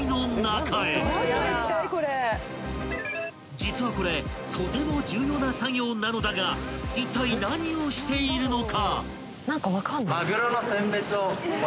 ［実はこれとても重要な作業なのだがいったい何をしているのか？］